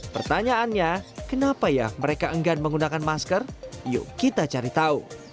pertanyaannya kenapa ya mereka enggan menggunakan masker yuk kita cari tahu